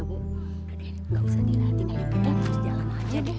nggak usah dirhati nanti kita jalan aja deh